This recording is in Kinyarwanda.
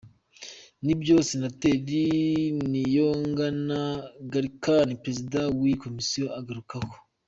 Nibyo senateri Niyongana Gallican, perezida w’iyi komisiyo agarukaho.